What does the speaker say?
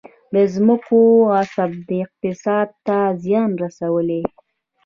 د ځمکو غصب اقتصاد ته زیان رسولی؟